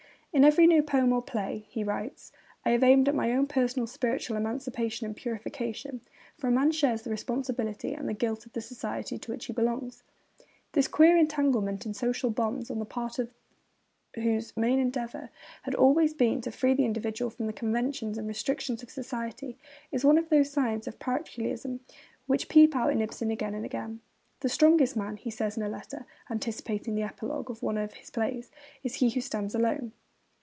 'In every new poem or play,' he writes, 'I have aimed at my own personal spiritual emancipation and purification, for a man shares the responsibility and the guilt of the society to which he belongs.' This queer entanglement in social bonds on the part of one whose main endeavour had always been to free the individual from the conventions and restrictions of society is one of those signs of parochialism which peep out in Ibsen again and again. 'The strongest man,' he says in a letter, anticipating the epilogue of one of his plays, 'is he who stands alone.'